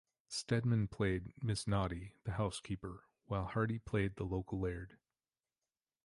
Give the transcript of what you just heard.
Steadman played Mrs Naughtie the housekeeper, while Hardy played the local laird.